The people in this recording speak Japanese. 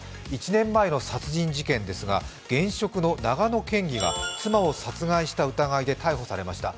１年前の殺人事件ですが、現職の長野県議が妻を殺害した疑いで逮捕されました。